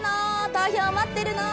投票待ってるのー！